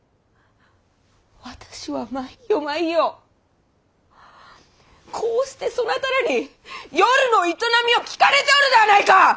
私は毎夜毎夜こうしてそなたらに夜の営みを聞かれておるではないか！